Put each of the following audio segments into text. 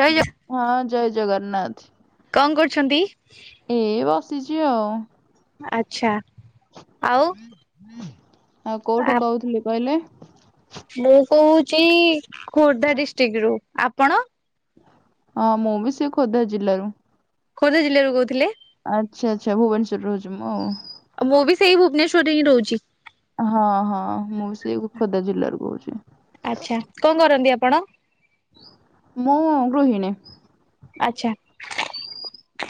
ଜୟ ଜ ହଁ ଜୟ ଜଗନ୍ନାଥ। କଣ କରୁଛନ୍ତି? ଏ ବସିଚି ଆଉ। ଆଚ୍ଛା ଆଉ ଆଉ କୋଉଠି ଆ କହୁଥିଲେ କହିଲେ? ମୁଁ କହୁଛି ଖୋର୍ଦ୍ଧା ଡିଷ୍ଟ୍ରିକ୍ଟ ରୁ। ଆପଣ? ହଁ ମୁଁ ବି ସେଇ ଖୋର୍ଦ୍ଧା ଜିଲ୍ଲାରୁ। ଖୋର୍ଦ୍ଧା ଜିଲ୍ଲାରୁ କହୁଥିଲେ? ଆଚ୍ଛା ଆଚ୍ଛା। ଭୁବନେଶ୍ୱର ରେ ରହୁଚି ମୁଁ। ମୁଁ ବି ସେଇ ଭୁବନେଶ୍ୱର ରେ ହିଁ ରହୁଚି। ହଁ ହଁ ମୁଁ ସେ ଖୋର୍ଦ୍ଧା ଜିଲ୍ଲାରୁ କହୁଚି। ଆଚ୍ଛା। କଣ କରନ୍ତି ଆପଣ? ମୁଁ ଗୃହିଣୀ। ଆଚ୍ଛା।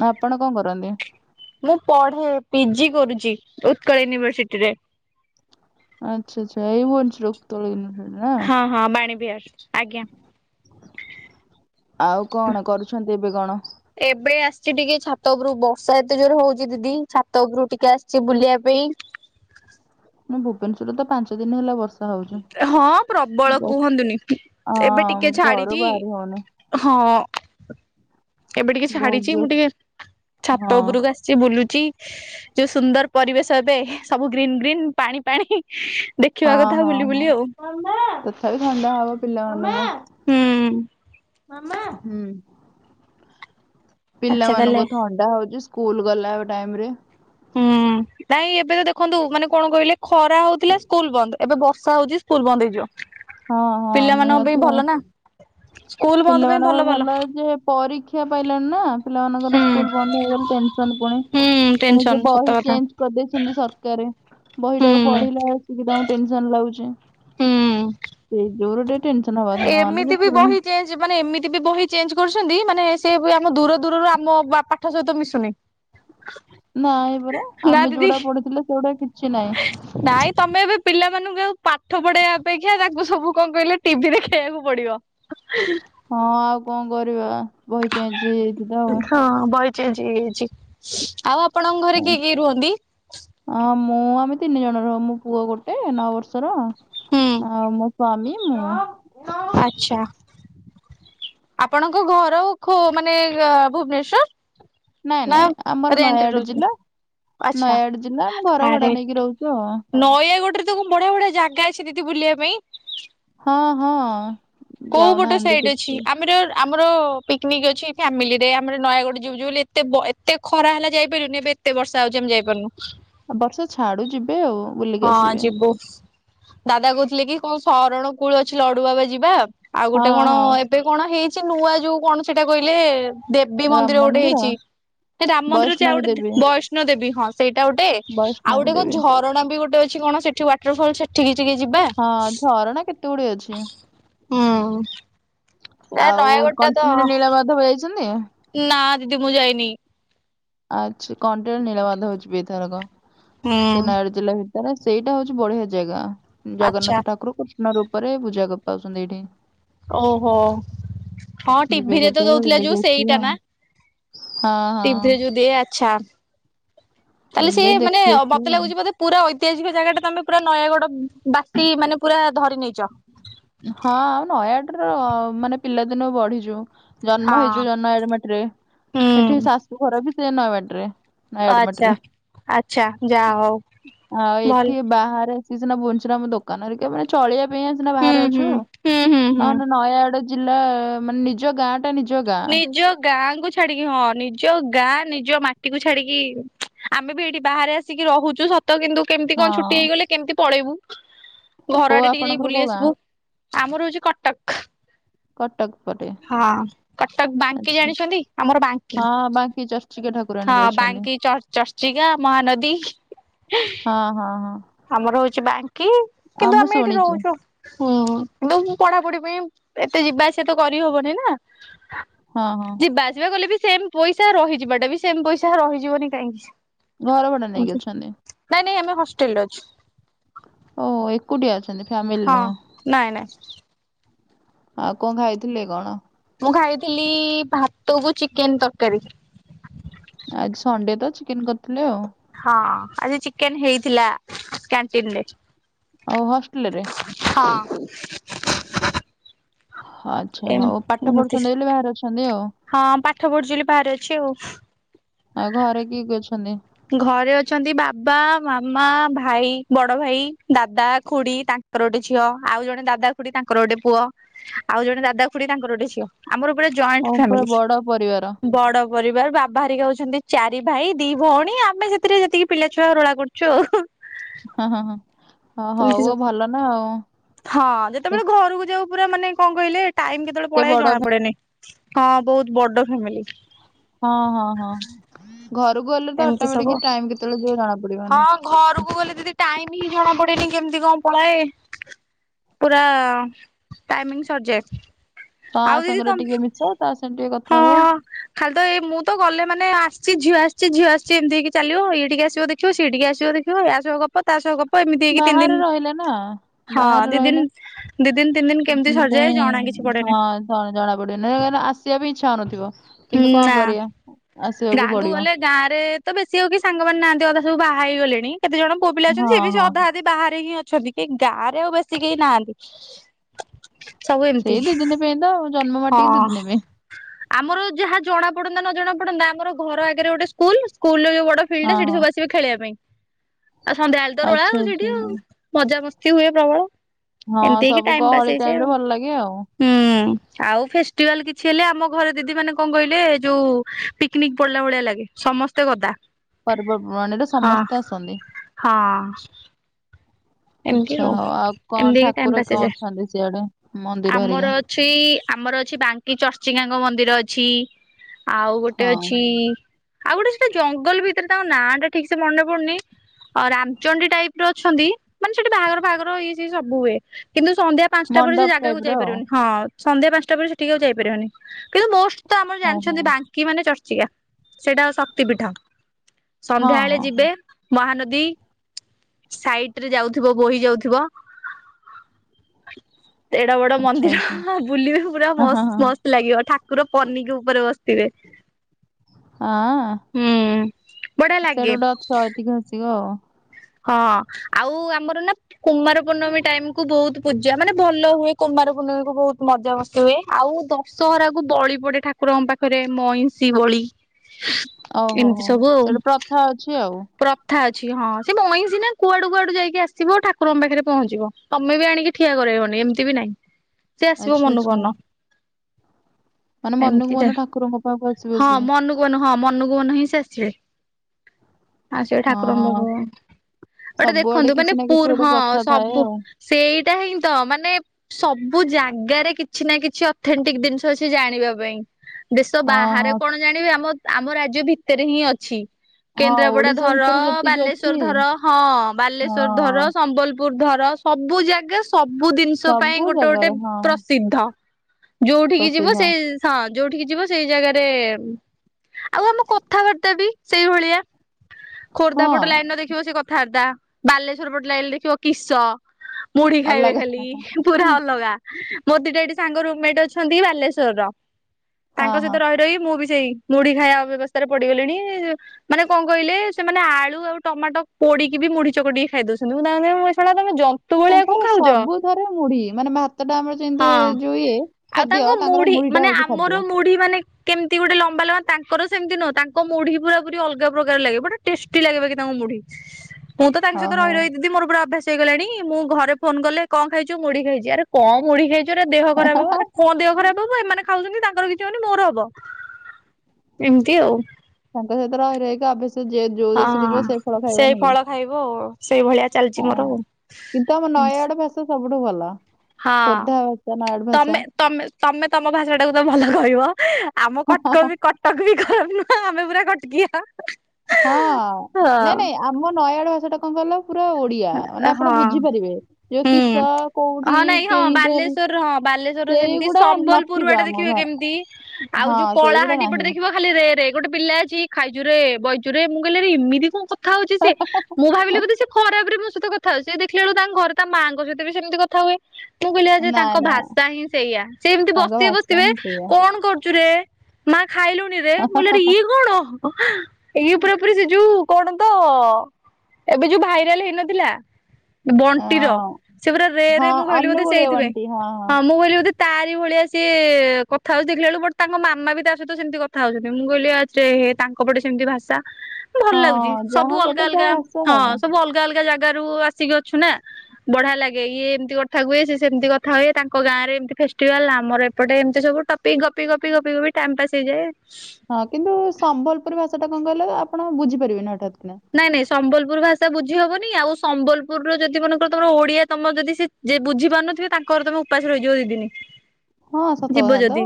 ଆଉ ଆପଣ କଣ କରନ୍ତି? ମୁଁ ପଢେ, ପିଜି କରୁଚି। ଉତ୍କଳ ୟୁନିଭରସିଟିରେ। ଆଚ୍ଛା ଆଚ୍ଛା। ଏଇ। ହଁ [unintelligible] ହଁ, ବାଣୀ ବିହାର ଆଜ୍ଞା। ଆଉ କଣ କରୁଛନ୍ତି ଏବେ କଣ? ଏବେ ଆସିଚି ଟିକେ ଛାତ ଉପରକୁ। ବର୍ଷା ଏତେ ଜୋରେ ହଉଚି ଦିଦି ଛାତ ଉପରୁ ଟିକେ ଆସିଚି ବୁଲିବା ପାଇଁ। ନା ଭୁବନେଶ୍ୱର ତ ପାଞ୍ଚ ଦିନ ହେଲା ବର୍ଷା। ହଉଛି ହଁ ପ୍ରବଳ ବସ୍- କୁହନ୍ତୁନି। ଏବେ ହଁ ଟିକେ ଘରୁ ଛାଡିଚି। ବାହାରି ହଉନି ହଁ। ଏବେ ଟିକେ ବହୁତ ଛାଡିଚି, ଜୋର ମୁଁ ଟିକେ ହଁ ଛାତ ଉପରକୁ ଆସିଚି ବୁଲୁଚି। ଯୋଉ ସୁନ୍ଦର ପରିବେଶ ଏବେ, ସବୁ ଗ୍ରୀନ୍ ଗ୍ରୀନ୍ ପାଣି ପାଣି ଦେ ହଁ ହଁ ହଁ। ତଥାପି ଥଣ୍ଡା ହବ ପିଲାମାନଙ୍କୁ। ହୁଁ। ମାମା ହୁଁ। ଆଚ୍ଛା ତାହେଲେ। ପିଲାମାନଙ୍କୁ ଥଣ୍ଡା ହଉଚି ସ୍କୁଲ ଗଲା ଟାଇମ ରେ। ହୁଁ। ନାଇଁ ଏବେ ତ ଦେଖନ୍ତୁ ମାନେ କଣ କହିଲେ ଖରା ହଉଥିଲା ସ୍କୁଲ ବନ୍ଦ। ଏବେ ବର୍ଷା ହଉଚି ସ୍କୁଲ ବନ୍ଦ ହେଇଯିବ। ହଁ ହଁ ପିଲାମାନଙ୍କ ପାଇଁ ନିହାତି ଆଉ। ଭଲ ନା ସ୍କୁଲ ବନ୍ଦ ପାଇଁ ପିଲାମାନଙ୍କ ଭଲ ଯେ ପରୀକ୍ଷା ଏବେ ଆଇଲାଣି ନା, ପିଲାମାନଙ୍କର ହୁଁ ସ୍କୁଲ ବନ୍ଦ ହେଇଗଲେ ଟେନ୍ସନ୍ ପୁ ପୁଣି ହୁଁ ଟେନସନ କହିବେ ସତ ବହି କଥା ଚେଞ୍ଜ କରିଦେଇଛନ୍ତି ସରକାର। ବହିଟାକୁ ହୁଁ। ପଢିଲା ଆସିକି ତାଙ୍କୁ ଟେନସନ ଲାଗୁଚି। ହୁଁ। ସେଇ ଯୋଗୁରୁ ଟିକେ ଟେନସନ ହବା କଥା ନହେଲେ। [unintelligible] ଯେ ମାନେ ଏମିତି ବି ବହି ଚେଞ୍ଜ କରିଛନ୍ତି, ମାନେ ସେ ବି ଆମ ଦୂର ଦୂରରୁ ଆମ ପାଠ ସହିତ ମିଶୁନି। ନାଇଁ ପରା ନା ଆମେ ଦିଦି। ଯୋଉଟା ପଢିଥିଲେ ସେଗୁଡା କିଛି ନାହିଁ। ନାଇଁ ତମେ ଏବେ ପିଲାମାନଙ୍କୁ ଆଉ ପାଠ ପଢେଇବା ଅପେକ୍ଷା ତାକୁ ସବୁ କଣ କହିଲେ ଟିଭି ଦେଖି ଖେଇବାକୁ ପଡିବ। ହଁ ଆଉ କଣ କରିବା। ବହି ଚେଞ୍ଜ ହେଇଯାଇଚି ତ। ଆଉ। ହଁ ବହି ଚେଞ୍ଜ ହେଇ ଯାଇଚି। ଆଉ ଆପଣଙ୍କ ଘରେ କିଏ କିଏ ରୁହନ୍ତି? ଅ ମୁଁ ଆମେ ତିନି ଜଣ ରହୁ। ମୋ ପୁଅ ଗୋଟେ ନଅ ବର୍ଷର। ହୁଁ। ଆଉ ମୋ ସ୍ଵାମୀ ମୁଁ। ଆଚ୍ଛା। ଆପଣଙ୍କ ଘର ଖୋ ମାନେ ଭୁବନେଶ୍ଵର? ନାଇଁ ନା ନାଇଁ ଆମର ରେଣ୍ଟ ରେ ନୟାଗଡ଼ ରହୁଛନ୍ତି? ଜିଲ୍ଲା ଆଚ୍ଛା ନୟାଗଡ଼ ଜିଲ୍ଲା। ଆମେ ଘର ଭଡା ନେଇକି ରହୁଚୁ ଆଉ। ନୟାଗଡ଼ଡରେ ତାକୁ ବଢିଆ ବଢିଆ ଜାଗା ଅଛି ଦିଦି ବୁଲିବା ପାଇଁ। ହଁ ହଁ କୋଉ ପଟ ଯାଉନାହାନ୍ତି ସାଇଡ ଅଛି କେତେ ଆଉ ଆମର ଆମର ପିକନିକ୍ ଅଛି ଫ୍ୟାମିଲି ରେ ଆମର ନୟାଗଡ ଯିବୁ ଯିବୁ ବୋଲି ଏତେ ବ ଏତେ ଖରା ହେଲା ଯାଇପାଇଲୁନି ଏବେ ଏତେ ବର୍ଷା ହଉଛି ଆମେ ଯାଇପାରୁନୁ ବର୍ଷା ଛାଡୁ ଯିବେ ଆଉ ବୁଲିକି ଆସିବେ। ଓଫ୍ ଦାଦା କହୁଥିଲେ କି କଣ ଶରଣ କୂଳ ଅଛି ଲଡୁବାବା ଯିବା ଆଉ ହଁ ଗୋଟେ କଣ ହଁ ଏବେ କଣ ହେଇଛି ନୂଆ ଯୋଉ କଣ ସେଇଟା କହିଲେ ଦେବୀ ମନ୍ଦିର ଗୋଟେ ହେଇଚି ଏ ରାମ ମନ୍ଦିର ଅଛି ଆଉ ବୈଷ୍ଣବୀ ଗୋଟେ ଦେବୀ ବୈଷ୍ଣୋ ଦେବୀ ହଁ ସେଇଟା ଗୋଟେ ଆଉ ବୈଷ୍ଣବୀ ଗୋଟେ କଣ ଦେବୀ ଝ ରଣା ବି ଗୋଟେ ଅଛି କଣ ସେଠି ୱାଟରଫଲ ସେଠିକି ଟିକେ ଯିବା। ହଁ ଝରଣା କେତେ ଗୁଡ଼ିଏ ଅଛି। ହଁ ଆଉ କଣ୍ଟିନ୍ୟୁ ନୀଳ ମଧ୍ୟବ ଯାଇଛନ୍ତି? ନା ଦିଦି ମୁଁ ଯାଇନି ଆଛା କଣ୍ଟିଲ ନୀଳବନ୍ଧ ଯିବି ଏଥରକ ସେ ହୁଁ ନାୟଗଡ ଜିଲ୍ଲା ଭିତ ଭିତରେ ସେଇଟା ହଉଛି ବଢିଆ ଯେଗା ଆଚ୍ଛା ଜଗନ୍ନାଥ ଠାକୁର କୃଷ୍ଣ ରୂପରେ ପୂଜା କ ପାଉଛନ୍ତି ଏଇଠି। ଓହୋ ହଁ ଯିବେ ଟିଭିରେ ତ କେତେବେଳେ ଦଉଥିଲା ବୁଲିକି ଯୋଉ ଆସିବେ ସେଇଟା ଆଉ ନା ହଁ ଟିଭିରେ ହଁ ଯୋଉ ଆଛା ତାହେଲେ ଯିବେ ସିଏ ମାନେ ଦେଖିକି ଆସିବେ ମତେ ଆଉ ଲାଗୁଛି ବୋଧେ ପୁରା ଐତିହାସିକ ଜାଗା ଟା ତମେ ପୁରା ନୟାଗଡ଼ ବାସି ମାନେ ପୁରା ଧରି ନେଇଚ। ହଁ ଆଉ ନୟାଗଡ ର ମାନେ ପିଲାଦିନ ବଢିଚୁ ଜନ୍ମ ହଁ। ହେଇଛୁ ଜନ୍ମଡମେଟ ରେ ସେଠି ହୁଁ ଶାଶୁ ଘର ବି ସେ ନମାଟି ରେ ଆଚ୍ଛା ଆଚ୍ଛା ଯା ହଉ ଆଉ ଏଠି ଭଲ ବାହାରେ ସଏ ସିନା ଭୁବନେଶ୍ୱର ରେ ଆମ ଦୋକାନରେ କିଏ ମାନେ ଚଳିବା ପାଇଁ ସିନା ହୁଁ ବାହାରେ ହୁଁ ଅଛୁ ହୁଁ ହୁଁ ହୁଁ। ନହେଲେ ନୟାଗଡ ଜି ଜିଲ୍ଲା ମାନେ ନିଜ ଗାଁ ଏଟା ନିଜ ଗାଁ ନିଜ ଗାଁ କୁ ଛାଡିକି ହଁ ନିଜ ଗାଁ ନିଜ ମାଟି କୁ ଛାଡିକି ଆମେ ବି ଏଇଠି ବାହାରେ ଆସିକି ରହୁଛୁ ସତ କିନ୍ତୁ କେମିତି କଣ ଛୁଟି ହଁ ହେଇଗଲେ କେମିତି ପଳେଇବୁ ଘର କୋଉ ଆଡେ ଟିକେ ଯାଇ ଆପଣଙ୍କର ବୁଲି କୋଉ ଗାଁ ଆସିବୁ ଆମର ହଉଛି କଟକ। କଟକ ପଟେ ହଁ। କଟକ ବାଙ୍କି ଆଚ୍ଛା ଆଚ୍ଛା। ଜାଣିଛନ୍ତି, ଆମର ବାଙ୍କି ହଁ ବାଙ୍କି ଚର୍ଚ୍ଚିକା ଠାକୁରାଣୀ ହଁ ଯୋଉ ଅଛନ୍ତି ବାଙ୍କି ଚଚୀ ଚର୍ଚିକା, ମହାନଦୀ, ହଁ, ହଁ, ହଁ, ଆମର ହଉଛି ବାଙ୍କି, ହଁ କିନ୍ତୁ ମୁଁ ଆମେ ଏଇଠି ଶୁଣିଛି ରହୁଛୁ। ହୁଁ ଉଁ କିନ୍ତୁ ମୁଁ ପଢାପଢି ପାଇଁ ଏତେ ଯିବା ଆସିବା ତ କରିହବନି ନା ହଁ, ହଁ ଯିବା ଆସିବା କଲେ ବି ସେମ ପଇସା ରହିଯିବାଟା ବି ସେମ ପଇସା ରହିଯିବନି କାହିଁକି? ଘର ଭଡା ନେଇକି ଅଛନ୍ତି। ନାଇଁ, ନାଇଁ, ଆମେ ହଷ୍ଟେଲ ରେ ଅଛୁ। ଓ ଏକୁଟିଆ ଅଛନ୍ତି ଫ୍ୟାମିଲି ହଁ ନୁହ। ନାଇଁ ନାଇଁ ଆଉ କଣ ଖାଇଥିଲେ କଣ? ମୁଁ ଖାଇଥିଲି ଭାତକୁ ଚିକେନ ତରକାରୀ। ଆଜି ସଣ୍ଡେ ତ ଚିକେନ କରିଥିଲେ ଆଉ। ହଁ ଆଜି ଚିକେନ ହେଇଥିଲା କ୍ୟାଣ୍ଟିନ ରେ। ଓ ହଷ୍ଟେଲ ରେ ହଁ ଓ ଆଚ୍ଛା ହଉ ପାଠ ଏମତି ପଢୁଛନ୍ତି ହେଲେ ବାହାରେ ଅଛନ୍ତି ଆଉ। ହଁ ପାଠ ପଢୁଚ ବୋଲି ବାହାରେ ଅଛି ଆଉ। ଆଉ ଘରେ କିଏ କିଏ ଅଛନ୍ତି? ଘରେ ଅଛନ୍ତି ବାବା, ମାମା, ଭାଇ, ବଡ ଭାଇ, ଦାଦା, ଖୁଡି ତାଙ୍କ ତାଙ୍କର ଗୋଟେ ଝିଅ ଆଉ ଜଣେ ଦାଦା ଖୁଡି ତାଙ୍କର ଗୋଟେ ପୁଅ ଆଉ ଜଣେ ଦାଦା ଖୁଡି ତାଙ୍କର ଗୋଟେ ଝିଅ। ଆମର ଏପଟେ ଜଏଣ୍ଟ ହଉ ପୁରା ଫ୍ୟାମିଲି ବଡ ପରିବାର ବଡ ପରିବାର ବାହାରିକା ହାଉଛନ୍ତି ଚାରି ଭାଇ ଦି ଭଉଣୀ, ଆମେ ସେଥିରେ ସେତିକି ପିଲାଛୁଆ ରୋଳା କରୁଛୁ। ଆଉ ହଁ, ହଁ, ହଁ ଏମିତି ହଉ ଆଉ ସବୁ। ଭଲ ନା ଆଉ। ହଁ, ଯେତେବେଳେ ଘରକୁ ଯାଉ, ପୁରା ମାନେ କଣ କହିଲେ, ଟାଇମ କେତେ ଯେତେବେଳେ ଏତେ ପଳେଇ ବଡ ଜଣା ଫ୍ୟା- ପଡେନି, ହଁ ବହୁତ ବଡ ଫ୍ୟାମିଲି। ହଁ, ହଁ, ହଁ ଘରକୁ ଗଲେ ତ ଏମିତି ସବୁ। ଅଟୋମେଟିକ ଟାଇମ କେତେବେଳକୁ ଜଣା ପଡିବ ହଁ ନାହିଁ। ଘରକୁ ଗଲେ ଯଦି ଟାଇମ ହିଁ ଜଣା ପଡେନି, କେମିତି କଣ ପଳାଏ। ପୁରା ଟାଇମିଂ ସରିଯାଏ। ହଁ ଆଉ ଦିଦି ଆସାଙ୍ଗରେ ତମ ଟିକେ ମିଛ, ତା ସାଙ୍ଗେ ଟିକେ ହଁ କଥା ହୁଅ। ଖାଲି ତ ଏଇ ମୁଁ ତ ଗଲେ ମାନେ ଆସିଛି, ଝିଅ ଆସିଛି, ଝିଅ ଆସିଛି, ଏମତି ହେଇକି ଚାଲିବ ଏଇଠିକି ଆସିବ ଦେଖିବ। ସେଠିକି ଆସିବ ଦେଖିବ। ଆସାଙ୍ଗେ ଗପୁ ଗପ ତା ସାଙ୍ଗେ ଗପ, ଏମିତି ହେଇକି ତିନି ବାହାରେ ଦିନ ରହିଲେ ନା ହଁ, ବାହାରେ ଦି ଦିନ, ରହିଲେ ଦି ଦିନ, ତିନି ଦିନ କେମିତି ମୋ ପାଇଁ ସରିଯାଏ। ଜଣା କିଛି ପଡେନି। ହଁ ଜଣା ପଡେନି। ଏ ଆସିବାକୁ ବି ଇଚ୍ଛା ହଉନଥିବ। କିନ୍ତୁ ହୁଁ କଣ ନା କରିବା? ଆସିବାକୁ ଗାଁକୁ ପଡିବ ଗଲେ ଗାଁରେ ତ, ବେଶୀ ଆଉ ସାଙ୍ଗମାନେ ନାହାନ୍ତି। ଅଇକା ସବୁ ବାହା ହେଇଗଲେଣି, କେତେ ଜଣ ପୁଅପିଲା ହଁ ଅଛନ୍ତି। ସେ ବି ସେ ହଁ ଅଧା ଅଧି ବାହାରେ ହିଁ ଅଛନ୍ତି। କେହି ଗାଁ ରେ ଆଉ ବେଶୀ କେହି ନାହାନ୍ତି। ସବୁ ଏମିତି। ପେନ୍ଦ ଜନ୍ମ ହଁ। ମାଟିକି ଦି ଦିନ ପାଇଁ ଆମର ଯାହା ଜଣା ପଡନ୍ତା ନ ଜଣା ପଡନ୍ତା ଆମର ଘର ଆଗରେ ଗୋଟେ ସ୍କୁଲ। ସ୍କୁଲରେ ବଡ ହଁ ଫିଲ୍ଡକୁ ସେଠି ହଁ ସବୁ ଆସିବେ ଖେଳିବା ପାଇଁ, ଆଉ ସନ୍ଧ୍ୟାବେଳେ ତ ରୋଳା ଆଚ୍ଛା ଆଉ ଆଚ୍ଛା ସେଠି ଆଉ। ହଁ। ମଜାମସ୍ତି ହୁଏ ପ୍ରବଳ। ହଁ, ଏମିତି ହେଇକି ସବୁ ଟାଇମ ପାସ୍ ଗହଳି ହେଇଯାଏ ଟାଇମ ଆଉ। ରେ ଭଲ ଲାଗେ ଆଉ। ହୁଁ। ଆଉ ଫେଷ୍ଟିଭାଲ କିଛି ହେଲେ, ଆମ ଘରେ ଦିଦି ମାନେ କଣ କହିଲେ, ଯୋଉ ପିକନିକ ପଡିଲା ଭଳିଆ ଲାଗେ। ସମସ୍ତେ ଛୋଟ କଥା। ପର୍ବପବାଣିରେ ସମସ୍ତେ ଆସନ୍ତି। ହଁ। ଏମତି ଆଚ୍ଛା ହଉ ଆଉ କଣ ଏମିତି କି ଟାଇମ ଠାକୁର ପାସ୍ କଣ ହେଇଯାଏ ଅଛନ୍ତି ସିଆଡେ ମନ୍ଦିର ହେରିକା? ଆମର ସେ ଆମର ଅଛି ବାଙ୍କି ଚର୍ଚିଙ୍ଗାଙ୍କ ମନ୍ଦିର ଅଛି। ଆଉ ଗୋଟେ ହଁ ଅଛି ଆଉ ଗୋଟେ ସେଟା ଜଙ୍ଗଲ ଭିତରେ ତାଙ୍କ ନାଁ ଟା ଠିକ ସେ ମନେ ପଡୁନି। ଆ ରାମଚଣ୍ଡୀ ଟାଇପ ର ଅଛନ୍ତି। ମାନେ ସେଠି ବାହାଘର ଫାହାଘର ଇଏ ସେ ସବୁ ହୁଏ କିନ୍ତୁ ସନ୍ଧ୍ୟା ପାଞ୍ଚଟା ପରେ ସେ ମଣ୍ଡପ ଜାଗାକୁ ଟାଇପ ର ଆଉ ଯାଇପାରିବନି ହଁ। ସନ୍ଧ୍ୟା ପାଞ୍ଚଟା ପରେ ସେଠିକି ଆଉ ଯାଇପାରିବନି କିନ୍ତୁ ମୋଷ୍ଟ ତ ଆମର ଓହୋ ଜାଣିଛନ୍ତି କି ମାନେ ଚର୍ଚ୍ଚିକା ସେଇଟା ଶକ୍ତି ପୀଠ ହଁ ସନ୍ଧ୍ୟାବେଳେ ହଁ ହଁ। ଯିବେ ମହାନଦୀ ସାଇଟ୍ ରେ ଯାଉଥିବ, ବୋହି ଯାଉଥିବ। ଏଡେ ବଡ ଆଚ୍ଛା ମନ୍ଦିର ଆଚ୍ଛା ଆଉ, ବୁଲିବେ ପୁରା ହଁ ହଁ ମସ୍ତ ହଁ ମସ୍ତ। ଲାଗିବ, ଠାକୁର ପନିକି ଉପରେ ବସିଥିବେ। ଆଁ, ହୁଁ ବଢିଆ ଲାଗେ। ସେଇଠି ଗୋଟେ ଛୁଆ ଏତିକ ହସିବ ଆଉ। ହଁ, ଆଉ ଆମର ନା କୁମାର ପୂର୍ଣ୍ଣମି ଟାଇମ କୁ ବହୁତ ପୂଜା ମାନେ ଭଲ ହୁଏ, କୁମାର ପୂର୍ଣ୍ମମୀକୁ ବହୁତ ମଜା ମସ୍ତି ହୁଏ। ଆଉ ଦଶହରା କୁ ବଳି ପଡେ ଠାକୁର। ରଙ୍କ ପାଖରେ ମଇଁଷି ବଳି। ଓହୋ ଏମିତି ସବୁ ଆଉ। ସେଇଟା ପ୍ରଥା ଅଛି ଆଉ। ପ୍ରଥା ଅଛି ହଁ। ସେ ମଇଁଷି ନାଁ କୁଆଡ଼ୁ କୁଆଡ଼ୁ ଯାଇକି ଆସିବ ଠାକୁରଙ୍କ ପାଖରେ ପହଞ୍ଚିବ, ତମେ ବି ଆଣିକି ଠିଆ କରାଇବନେଇ ଏମତି ବି ନାଇଁ। ସେ ଆସିବ ଆଚ୍ଛା ମନୁକୁ ଆଚ୍ଛା ମନ। ମାନେ ମନକୁ ମନ ଠାକୁରଙ୍କ ପାଖୁ ଆସିବ ସିିଏ। ଉ ଅନ ହଁ ମନୁକୁ ମନ ହିଁ ସେ ଆସିବେ। ଆସିବେ ଠାକୁରଙ୍କ ହଁ ପାଖୁଉ। ଅଟେ ସବୁଆଡେ ଦେଖନ୍ତୁ ମାନେ କିଛି ନା କିଛି ପୁର୍ ଗୋଟେ ହଁ ପ୍ରଥା ଥାଏ ସବୁ ଆଉ ସେଇଟା ହିଁ ତ ମାନେ ସବୁ ଜାଗାରେ କିଛି ନାଁ କିଛି ଅଥେଣ୍ଟିକ୍ ଦିନଷ ଅଛି ଜାଣିବା ପାଇଁ। ଦେଶ ହଁ ବାହାରେ ହଁ କଣ ଜାଣିବେ ଆମ ଆମ ରାଜ୍ୟ ଭିତେରେ ହିଁ ଅଛି। ହଁ କେନ୍ଦ୍ରାପଡ଼ା ଓଡିଶା ଧର ଭିତରେ ଯେତିକି ବାଲେଶ୍ ଚୋରର ଅଛି ଧର ହଁ ବାଲେଶ୍ୱର ଧର ହଁ ସମ୍ବଲପୁର ଧର ସବୁ ଜାଗା ସବୁ ଦିନଷ ପାଇଁ ସବୁ ଗୋଟେ ଗୋଟେ ଜାଗାରେ ହଁ ପ୍ରସିଦ୍ଧ ଯୋଉଠିକି ଯିବ ପ୍ରସିଦ୍ଧ ସେ ହଁ ଯୋଉଠିକି ଯିବ ସେଇ ଜାଗାରେ ଆଉ ଆମ କଥାବାର୍ତ୍ତା ବି ସେଇ ଭଳିଆ। ଖୋର୍ଦ୍ଧା ହଁ ପଟ ଲାଇନ୍ ର ଦେଖିବ ସେ କଥାବାର୍ତ୍ତା ବାଲେଶ୍ୱର ପଟ ଲାଇନ୍ ଲେଖିବ କିସ। ମୁଢ଼ି ଖାଇବେ ଅଲଗା ଖାଲି ପୁରା ଅଲଗା। ମୋର ଦିଟା ଏଠି ସାଙ୍ଗ ରୁମମେଟ୍ ଅଛନ୍ତି ବାଲେଶ୍ଵରର ହଁ ତାଙ୍କ ସହିତ ହଁ ରହି ରଇ ମୁଁ ବି ସେଇ ମୁଢ଼ି ଖାଇବା ଅବେସ୍ଥାରେ ପଡି଼ଗଲିଣି ମାନେ କଁ କହିଲେ ସେମାନେ ଆଳୁ ଆଉ ଟମାଟୋ ପୋଡି଼କି ବି ମୁଢ଼ି ଚକଟିକି ଖାଇ ଦଉଛନ୍ତି ମୁଁ ତାଉଁ ତ ସଳା ତମେ ଜ ତାଙ୍କର ସବୁଥରେ ମୁଢ଼ି ମାନେ ଭାତଟା ଆମର ଯେନ୍ତି ହଁ। ଜୁ ଇଏ। ଖାଦ୍ୟ ତାଙ୍କର ମୁଢ଼ିଟା ହଉଚି ଖାଦ୍ୟ। ପୁଢି଼ ମାନେ କେମତି ଗୋଟେ ଲମ୍ବା ଲାମ୍ବା ତାଙ୍କର ସେମତି ନୁହଁ ତାଙ୍କ ମୁଢ଼ି ପୁରା ପୁରି ଅଲଗା ପ୍ରକାର ଲାଗେ ଗୋଟେ ଟେଷ୍ଟି ଲାଗେ ବାକି। ଦାଉଁ ମୁଢ଼ି ମୁଁ ତ ତାଙ୍କ ସହିତ ରହି ଓହୋ ରହି ଦିଦି ମୋର ପୁରା ଅଭ୍ୟାସ ତେଗଲାଣି ମୁଁ ଘରେ ଫୋନ୍ କଲେ କଁ ଖାଇଚୁ ମୁଢ଼ି ଖାଇଚି ଆରେ କଁ ମୁଢ଼ି ଖାଇଚୁ ଏରା ଦେହ ଖରାପ ହବ ଏରା କୋଁ ଦେହ ଖରାପ ହବ ଏମାନେ ଖାଉଚନ୍ତି ତାଙ୍କର କିଛି ହୋଉନି ମୋର ହବ ଏମତି ଆଉ। ତାଙ୍କ ସହିତ ରହି ରହିକା ଆବଶ୍ୟ ଯେ ଯୋଉ ଦେଶକୁ ଯିବ ହଁ ସେଇ ଫଳ ଖାଇବନି କି ଫଳ ଖାଇବ ଆଉ ସେଇଭଳିଆ ଚାଲିଛି ହଁ ମୋର ଆଉ କିନ୍ତୁ ଆମ ଏମିତି। ନୟାଗଡ଼ ପସ୍ ତୁ ସବୁଠୁ ଭଲ ହଁ। ଖୋର୍ଦ୍ଧା ଭାଷା। ନୟାଗଡ ଭାଷା ତମେ ତମେ ତମେ ତମ ଭାଷାଟାକୁ ତ ଭଲ କଇବ ଆମ କଟକ ବି କ ଟକ ବି ଖରାପ ନୁହଁ ଆମେ ପୁରା କଟକିଆ। ହଁ ନାଇଁ ହଁ ନାଇଁ ଆମ ନୟାଅଡ଼ ଭାଷାଟା କଁ କଇଲ ପୁରା ଓ ଡି଼ଆ ମାନେ ହଁ। ଆପଣ ବୁଝିପାରିବେ ଯୋଉ କିସ କୋଉଠି କେଇଁତି ହେଲ୍ ଶ୍ଵର ହଁ ବାଲେଶ୍ୱର ସେମତି ସମ୍ବଲପୁର ଆଡ଼େ ଆମ ଦେଖିବେ ଭା କେମତି ଆଉ ହଁ ଯୋଉ ସେଇଗୁଡା କଳାହାଣ୍ଡି ପଟେ ନାହିଁ ଦେଖିବ ଖାଲି ରେରେ ଗୋଟେ ପିଲା ଅଛି ଖାଇଚୁରେ ବଇଚୁରେ ମୁଁ କହିଲି ଆରେ ଏମିତି କଁ କଥା ହଉଚି ସିଏ? ମୁଁ ଭାବିଲି ବୋଧ ସେ ଖରାପରେ ମୋ ସହିତ କଥା ହଉ ସେ ଦେଖିଲା ଅଳୁ ତାଙ୍କ ଘର ତା ମାଆଙ୍କ ସହିତ ବି ସେମତି କଥା ହୁଏ। ମୁଁ କହିଲି ଆଉ ଯେ ନା ତାଙ୍କ ନା ଭାଷା ହିଁ ସେଇଆ। ସେ ଏମିତି ତାଙ୍କ ବସିଥିବେ ଭାଷା ବସିଥିବେ ହିଁ ସେଇଆ କଣ କରୁଚୁରେ ମା ଖାଇଲୁଣିିରେ ମୁଁ ଲି ଆରେ ଇଏ କଣ? ଇଏ ପୁରା ପୁରି ସେ ଯୋଉ କଣ ତ ଏବେ ଯୋଉ ଭାଇରାଲ୍ ହେ ନଥିଲା? ଅ ବଣ୍ଟିର ସେ ପୁରା ରେରେ ହଁ ମୁଁ ଭାବିଲି ବୋଧେ ଅନୁଗୁଳିଆ ସେଇଥିପାଇଁ ବଣ୍ଟି ହଁ ମୁଁ ଭାଇଲି ବୋଧେ ତାରି ଭଳିଆ ସିଏ କଥା ହଉ ଦେଖିଲା ଅଳୁ ବଟ୍ ତାଙ୍କ ମାମା ବି ତା ସହିତ ସେମତି କଥା ହଉଛନ୍ତି ମୁଁ କହିଲି ଆ ଷ୍ଟେ ହେ ତାଙ୍କ ପଟେ ସେମତି ଭାଷା ଭଲ ଲାଗୁଚି ହଁ ସବୁ ଯାହା ଅଲଗା ପଟେ ଯାହା ଅଲଗା ଭାଷା ହଁ ଆଉ। ସବୁ ଅଲ୍ ଗା ଜାଗାରୁ ଆସିକି ଅଛୁ ନାଁ। ବଢ଼ିଆ ଲାଗେ ଇଏ ଏମତି କଥା କୁଏ ସେ ସେମତି କଥା ହୁଏ ତାଙ୍କ ଗାଁରେ ଏମତି ଫେଷ୍ଟିଭାଲ୍ ଆମର ଏପଟେ ଏମତି ସବୁ ଟ ପି ଗପି ଗପି ଗପି ଗପି ଟାଇମ୍ ପାସ୍ ହେଇଯାଏ। ହଁ କିନ୍ତୁ ସମ୍ବଲପୁର ଭାଷାଟା କଁ କହିଲେ ଆପଣ ବୁଝିପାରିବେନି ହଠାତ୍ କିନା। ନାଇଁ ନାଇଁ ସମ୍ବଲପୁର ଭାଷା ବୁଝି ହବନି ଆଉ ସମ୍ବଲପୁରର ଯଦି ମନେକର ତମର ଓଡ଼ିଆ ତମର ଯଦି ସି ଯେ ବୁଝି ପାରୁନଥିବେ ତାଙ୍କ ଅରେ ତମେ ଉପାସ ରହିଯିବ ଦି ଦିନି। ହଁ ସତ ଯିବ କଥା ତ ଯଦି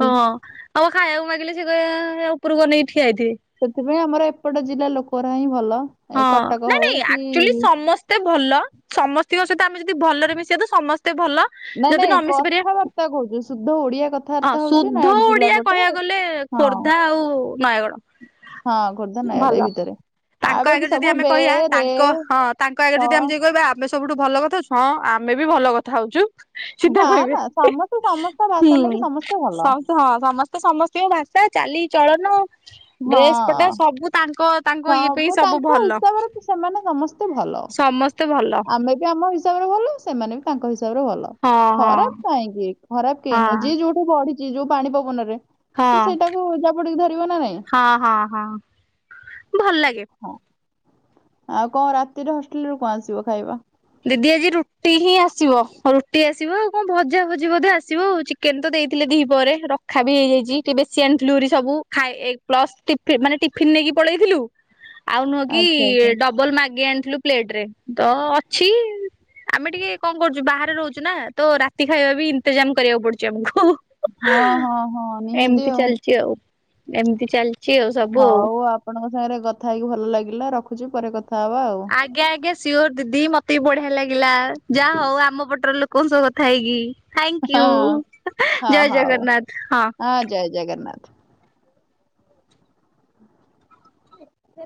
ହଁ ଆଉ ଖାଇବାକୁ ମାଗିଲେ ସେ କଇ ହେ ଓପୁରୁକୁ ଅନେଇ ଠିଆ ହେଇଥିବେ। ସେଥିପାଇଁ ଆମର ଏପଟ ଜିଲ୍ଲା ଲୋକରା ହିଁ ଭଲ। ହଁ ଏଇ କଟକ ନାଇଁ ହଉ ନାଇଁ କି ଆକ୍ଚୁଆଲି ସମସ୍ତେ ଭଲ ସମ ସ୍ତିଙ୍କ ସହିତ ଆମେ ଯଦି ଭଲରେ ମିଶିବା ତ ସମସ୍ତେ ଭଲ ନାଇଁ ଯଦି ନାଇଁ ନ ମିଶି ପାରିବା କଥାବାର୍ତ୍ତା କହୁଛୁ ଶୁଦ୍ଧ ଓଡିଆ ହଁ କଥାବାର୍ତ୍ତା ହଉଛୁ ସୁଦ୍ଧ ନୟାଗଡ ଜିଲ୍ଲା ଓଡିଆ ପଟେ ହଁ କହିବାକୁ ଗଲେ ଖୋର୍ଦ୍ଧା ଆଉ ନୟାଗଡ ହଁ ଖୋର୍ଦ୍ଧା ନୟାଗଡ ଏଇ ଭଲ ଭିତରେ ଆଉ ତାଙ୍କ ବାକି ଆଗରେ ଯଦି ସବୁ ଆମେ ବେ କହିବା ରେ ତାଙ୍କ ହଁ ତାଙ୍କ ସ ଆଗରେ ଯଦି ଆମେ ଜାଇ କହିବା ଆପ ଆମେ ସବୁଠୁ ଭଲ କଥା ହଉଛୁ ହଁ ଆମେ ବି ଭଲ କଥା ହଉଛୁ ସିଧା ନା କହିବେ ନା ସମସ୍ତେ ସମସ୍ତ ଭାଷା ହୁଁ। ନେଇକି ସମସ୍ତେ ଭଲ। ସମସ୍ତେ ହଁ ସମସ୍ତେ ସମସ୍ତଙ୍କ ଭାଷା ଚାଲି ଚଳନ ହଁ ଡ୍ରେସ ପଟା ସବୁ ତାଙ୍କ ତାଙ୍କ ଇଏ ପାଇଁ ସବୁ ସବୁ ତାଙ୍କ ଭଲ। ହିସାବରେ ସେମାନେ ସମସ୍ତେ ଭଲ ସମସ୍ତେ ଭଲ ଆମେ ବି ଆମ ହିସା ହିସାବରେ ଭଲ ସେମାନେ ବି ତାଙ୍କ ହିସାବରେ ଭଲ ହଁ ହଁ ଖରାପ କାହିଁକି ଖରାପ କେହି ହଁ ନୁହଁ ଯିଏ ଯୋଉଠି ବଢିଛି ଯୋଉ ପାଣି ପବନରେ ହଁ ସେ ସେଇଟାକୁ ଜାବୁଡ଼ିକି ଧରିବ ନା ନାଇଁ ହଁ ହଁ ହଁ ଭଲ ଲାଗେ। ହଁ ଆଉ କଣ ରାତିରେ ହଷ୍ଟେଲରୁ କଣ ଆସିବ ଖାଇବା? ଦିଦି ଆଜି ରୁଟି ହିଁ ଆସିବ ରୁଟି ଆସିବ ଆଉ କଣ ଭଜା ଭଜି ବୋଧେ ଆସିବ ଆଉ ଚି କେନ ତ ଦେଇଥିଲେ ଦି ପହରେ ରଖା ବି ହେଇଯାଇଛି ଟିକେ ବେଶି ଆଣିଥିଲୁ ଭାରି ସବୁ ଖାଇ ଏ ପ୍ଲସ୍ ଟିଫିନ ମାନେ ଟିଫିନ ନେଇକି ପଳେଇଥିଲୁ ଆଉ ନୁହଁ କି ଆଚ୍ଛା ଆଚ୍ଛା ଡବଲ ମାଗି ଆଣିଥିଲୁ ପ୍ଲେଟରେ ତ ଅଛି ଆମେ ଟିକେ କଣ କରୁଛୁ ବାହାରେ ରହୁଛୁ ନା ତ ରାତି ଖାଇବା ବି ଇନ୍ତେଜାମ କରିବାକୁ ପଡୁଛି ଆମକୁ। ହଁ ହଁ ହଁ ନିହାତି ଏମିତି ଚାଲିଛି ଆଉ ଏମିତି ଚାଲିଛି ଆଉ ସବୁ ଆଉ ହଉ ଆପଣଙ୍କ ସାଙ୍ଗରେ କଥା ହେଇକି ଭଲ ଲାଗିଲା ରଖୁଛି ପରେ କଥା ହବା ଆଉ ଆଜ୍ଞା ଆଜ୍ଞା ସିଓର ଦିଦି ମତେ ବି ବଢିଆ ଲାଗିଲା ଯାହା ହଉ ଆମ ପଟର ଲୋକ ଙ୍କ ସହ କଥା ହେଇକି ହଁ ଥ୍ୟାଙ୍କୁ ହଁ ଜୟ ହଉ ଜଗନ୍ନାଥ ହଁ। ହଁ ଜୟ ଜଗନ୍ନାଥ।